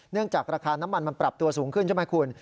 จากราคาน้ำมันมันปรับตัวสูงขึ้นใช่ไหมคุณ